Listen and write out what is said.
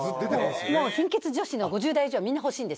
貧血女子の５０代以上はみんな欲しいんですよ。